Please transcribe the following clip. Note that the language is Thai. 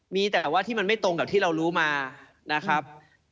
มีแต่ว่าที่มันไม่ตรงกับที่เรารู้มานะครับ